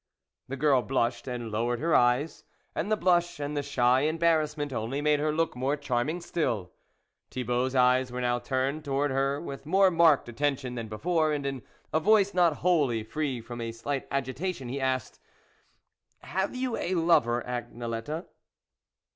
The girl blushed and lowered her eyes, and the blush and the shy embarrassment only made her look more charming still. Thibault's eyes were now turned to wards her with more marked attention than before, and, in a voice, not wholly free from a slight agitation, he asked :" Have you a lover, Agnelette